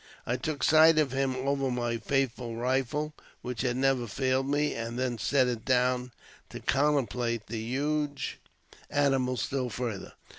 I took sight at him over my faithful rifle, which had never failed me, and then set it down, to contemplate the huge animal still farther.